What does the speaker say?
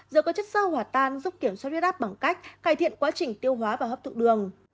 giờ có chất sơ hỏa tan giúp kiểm soát huyết áp bằng cách cải thiện quá trình tiêu hóa và hấp thụ đường